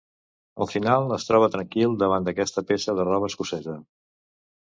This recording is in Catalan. Al final, es troba tranquil davant d'aquesta peça de roba escocesa.